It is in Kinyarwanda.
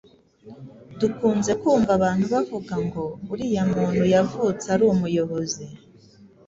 Dukunze kumva abantu bavuga ngo “uriya muntu yavutse ari umuyobozi.”